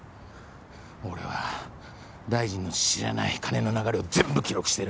俺は大臣の知らない金の流れを全部記録してる。